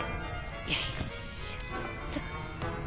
よいしょっと。